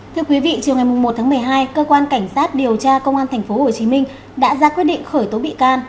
thưa quý vị chiều ngày một tháng một mươi hai cơ quan cảnh sát điều tra công an tp hcm đã ra quyết định khởi tố bị can